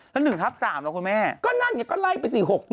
แล้ว๑ทับ๓แล้วคุณแม่ก็นั่นไงก็ไล่ไป๔๖๑